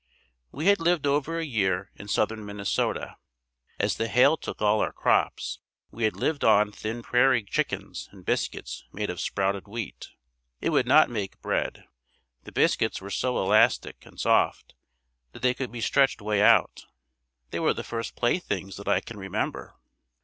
We had lived over a year in southern Minnesota. As the hail took all our crops, we had lived on thin prairie chickens and biscuits made of sprouted wheat. It would not make bread. The biscuits were so elastic and soft that they could be stretched way out. These were the first playthings that I can remember.